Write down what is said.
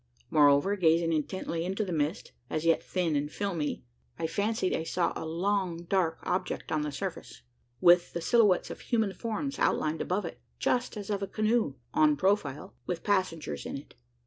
Moreover, gazing intently into the mist as yet thin and filmy I fancied I saw a long dark object upon the surface, with the silhouettes of human forms outlined above it just as of a canoe en profile with passengers in it.